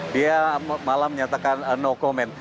dia malah menyatakan no comment